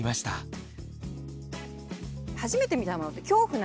初めて見たものって恐怖なんですよ。